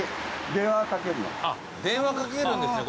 電話かけるんですね